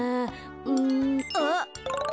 うんあっ！